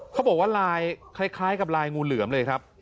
เขาบอกว่าลายคล้ายกับลายงูเหลือมเลยครับ